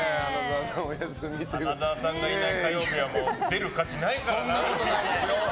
花澤さんがいない火曜日は出る価値ないですからね。